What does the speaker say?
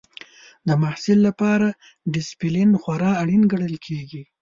د محصل لپاره ډسپلین خورا اړین ګڼل کېږي.